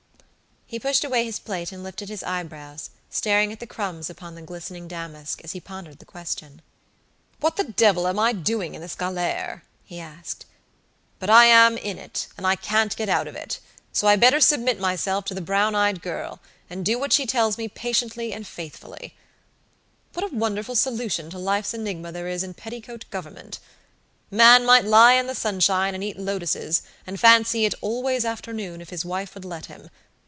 He pushed away his plate and lifted his eyebrows, staring at the crumbs upon the glistening damask, as he pondered the question. "What the devil am I doing in this galere?" he asked. "But I am in it, and I can't get out of it; so I better submit myself to the brown eyed girl, and do what she tells me patiently and faithfully. What a wonderful solution to life's enigma there is in petticoat government! Man might lie in the sunshine, and eat lotuses, and fancy it 'always afternoon,' if his wife would let him!